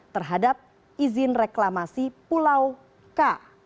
terhadap izin reklamasi pulau k